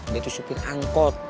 dia tuh supir angkot